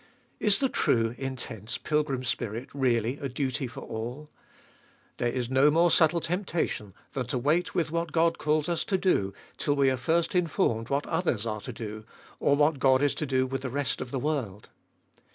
Is the true, intense, pilgrim spirit, really a duty for all ? There is no more subtle temptation than to wait with what God calls us to do till we are first informed what others are to do, or what God is to do with the rest of the world.